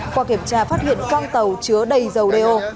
qua kiểm tra phát hiện quang tàu chứa đầy dầu đeo